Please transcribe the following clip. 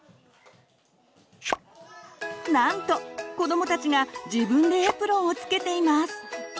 なんと子どもたちが自分でエプロンをつけています！